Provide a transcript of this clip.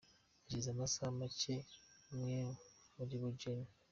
Hashize amasaha make umwe muri bo Gen.